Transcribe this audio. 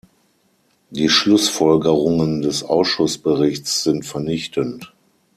Die Schlussfolgerungen des Ausschussberichts sind vernichtend.